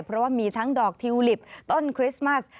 เพราะว่ามีทั้งดอกทิวลิปต้นคริสต์มัส